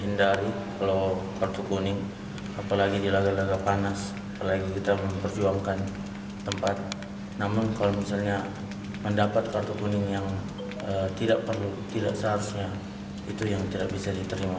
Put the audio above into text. namun kalau misalnya mendapat kartu kuning yang tidak seharusnya itu yang tidak bisa diterima